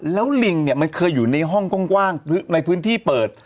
แล้วลิงเนี่ยมันเคยอยู่ในห้องกว้างในพื้นที่เปิด